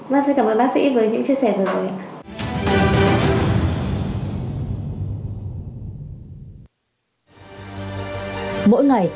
bác xin cảm ơn bác sĩ với những chia sẻ vừa rồi